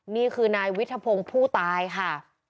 นี่คือนายวิทธพงศ์ผู้ตายค่ะ